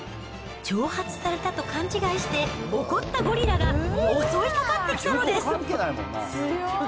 挑発されたと勘違いして、怒ったゴリラが襲いかかってきたのです。